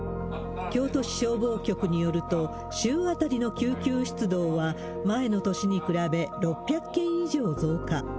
京都市消防局によると、週当たりの救急出動は、前の年に比べ６００件以上増加。